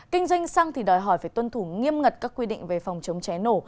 kinh doanh xăng đòi hỏi phải tuân thủ nghiêm ngật các quy định về phòng chống ché nổ